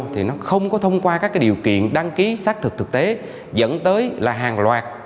thì nó không có thông qua các điều kiện đăng ký xác thực thực tế dẫn tới là hàng loạt